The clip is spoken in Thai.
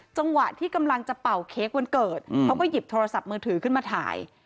จังหวะที่กำลังจะเป่าเค้กวันเกิดเขาก็หยิบโทรศัพท์มือถือขึ้นมาถ่าย